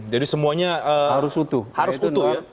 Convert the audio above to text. jadi semuanya harus utuh ya